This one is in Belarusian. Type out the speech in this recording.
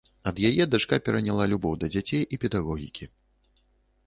Ад яе дачка пераняла любоў да дзяцей і педагогікі.